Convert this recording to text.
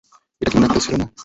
এটা কী মিরাক্কেল ছিল না।